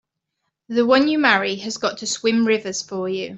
The one you marry has got to swim rivers for you!